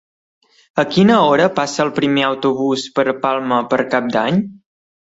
A quina hora passa el primer autobús per Palma per Cap d'Any?